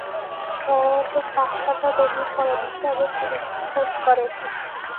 শহরের ডাক্তাররা রোগী পরে দেখে, আগে পুলিশকে ফোন করে।